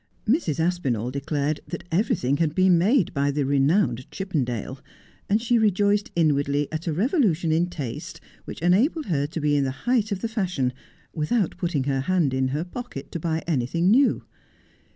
Mrs, A Superior Woman. 67 Aspinall declared that everything had been made by the re nowned Chippendale ; and she rejoiced inwardly at a revolution in taste which enabled her to be in the height of the fashion without putting her hand in her pocket to buy anything new.